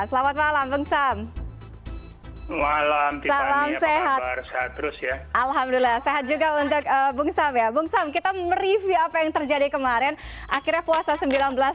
selamat malam beng sam